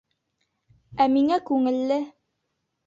— Ә миңә күңелле.